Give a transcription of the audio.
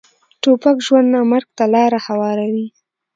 توپک ژوند نه، مرګ ته لاره هواروي.